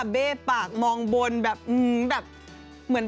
เบ้ปากมองบนแบบอืมแบบ